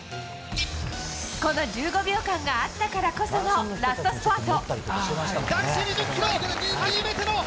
この１５秒間があったからこそのラストスパート。